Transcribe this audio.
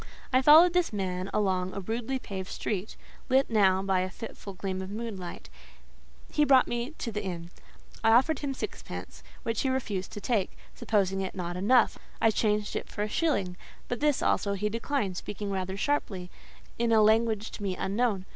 I followed this man along a rudely paved street, lit now by a fitful gleam of moonlight; he brought me to the inn. I offered him sixpence, which he refused to take; supposing it not enough, I changed it for a shilling; but this also he declined, speaking rather sharply, in a language to me unknown.